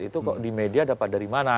itu kok di media dapat dari mana